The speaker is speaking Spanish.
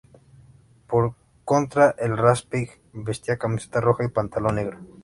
Por contra el Raspeig vestía camiseta roja y pantalón negro.